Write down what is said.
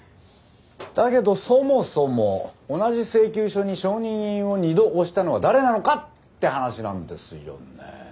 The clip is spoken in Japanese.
だけどそもそも同じ請求書に承認印を２度押したのは誰なのかって話なんですよねえ。